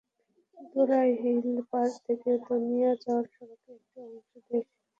দোলাইরপাড় থেকে দনিয়া যাওয়ার সড়কের একটি অংশ বেশ কিছুদিন ধরেই জলমগ্ন।